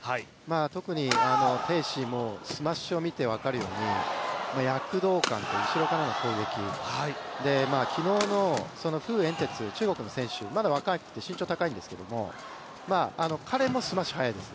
特に鄭思緯もスマッシュを見て分かるように躍動感と後ろからの攻撃、昨日の馮彦哲、中国の選手、まだ若くて身長が高いんですけれども彼もスマッシュが速いです。